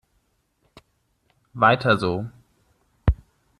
Weiter so!